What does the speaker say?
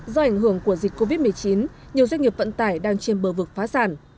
do ảnh hưởng của dịch covid một mươi chín nhiều doanh nghiệp vận tải đang chiêm bờ vực phá sản